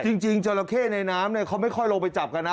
จริงจริงเจ้าเข้ในน้ำเนี่ยเขาไม่ค่อยลงไปจับกันนะ